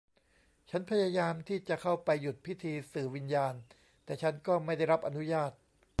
ฉันพยายามที่จะเข้าไปหยุดพิธีสื่อวิญญาณ แต่ฉันก็ไม่ได้รับอนุญาต